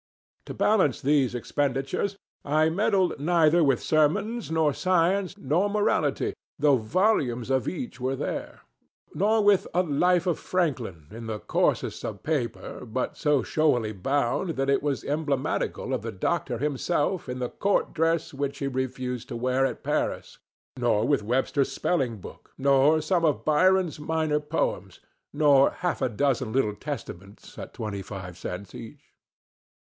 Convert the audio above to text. To balance these expenditures, I meddled neither with sermons nor science nor morality, though volumes of each were there, nor with a Life of Franklin in the coarsest of paper, but so showily bound that it was emblematical of the doctor himself in the court dress which he refused to wear at Paris, nor with Webster's spelling book, nor some of Byron's minor poems, nor half a dozen little Testaments at twenty five cents each.